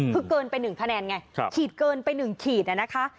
คือเกินไป๑คะแนนไงขีดเกินไป๑ขีดนะคะ